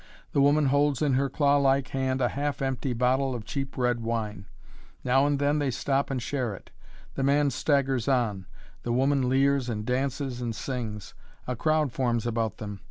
The woman holds in her claw like hand a half empty bottle of cheap red wine. Now and then they stop and share it; the man staggers on; the woman leers and dances and sings; a crowd forms about them.